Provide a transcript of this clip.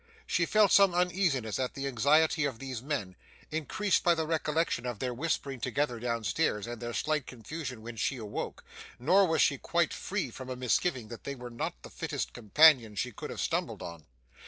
She felt some uneasiness at the anxiety of these men, increased by the recollection of their whispering together down stairs and their slight confusion when she awoke, nor was she quite free from a misgiving that they were not the fittest companions she could have stumbled on.